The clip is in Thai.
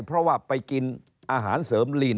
เพราะว่าไปกินอาหารเสริมลีน